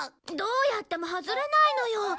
どうやっても外れないのよ。